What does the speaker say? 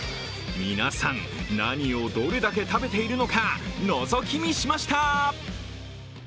皆さん、何をどれだけ食べているのか、のぞき見しました。